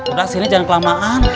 udah sini jangan kelamaan